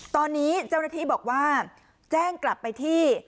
ตอนนี้เจ้าหน้าที่บอกว่าแจ้งกลับไปที่